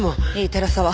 寺沢。